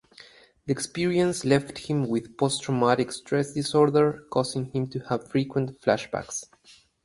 The experience left him with post-traumatic stress disorder, causing him to have frequent flashbacks.